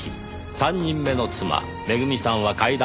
３人目の妻めぐみさんは階段から転落死。